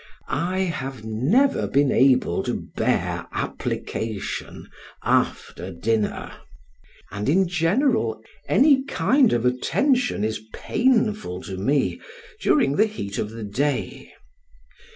I have never been able to bear application after dinner, and in general any kind of attention is painful to me during the heat of the day.